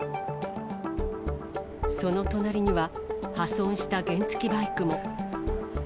その隣には、破損した原付きバイクも。